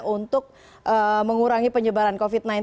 untuk mengurangi penyebaran covid sembilan belas